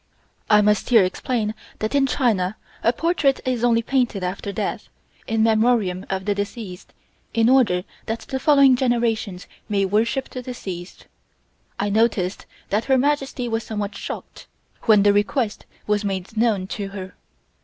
I must here explain that in China a portrait is only painted after death, in memorium of the deceased, in order that the following generations may worship the deceased. I noticed that Her Majesty was somewhat shocked when the request was made known to her.